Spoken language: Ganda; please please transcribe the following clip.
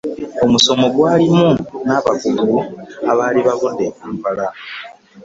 Omusomo gwalimu n'abakugu abaali bavudde e Kampala.